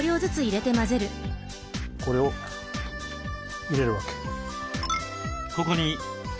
これを入れるわけ。